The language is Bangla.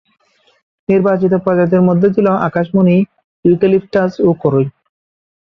নির্বাচিত প্রজাতির মধ্যে ছিল আকাশমণি, ইউক্যালিপটাস ও করই।